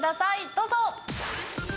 どうぞ！